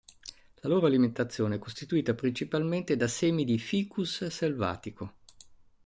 La loro alimentazione è costituita principalmente da semi di "Ficus" selvatico.